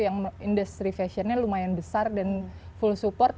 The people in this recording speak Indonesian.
yang industri fashionnya lumayan besar dan full support